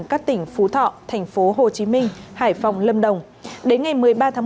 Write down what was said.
các tỉnh phú thọ thành phố hồ chí minh hải phòng lâm đồng đến ngày một mươi ba tháng một mươi hai